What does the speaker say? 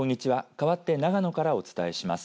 かわって長野からお伝えします。